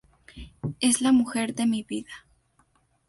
Es la mujer de mi vida.